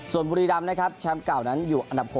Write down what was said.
ส่วนบุรีรำนะครับแชมป์เก่านั้นอยู่อันดับ๖